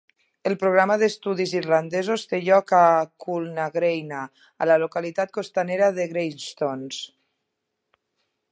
El programa d'estudis irlandesos té lloc a Coolnagreina a la localitat costanera de Greystones.